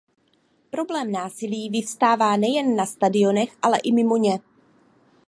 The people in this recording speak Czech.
Problém násilí vyvstává nejen na stadionech, ale i mimo ně.